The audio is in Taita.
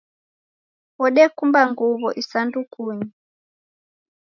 Wodekumba nguw'o isandukunyi.